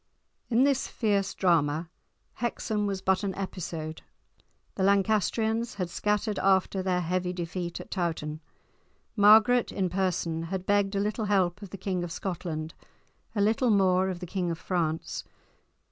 In this fierce drama, Hexham was but an episode. The Lancastrians had scattered after their heavy defeat at Towton. Margaret in person had begged a little help of the King of Scotland, a little more of the King of France.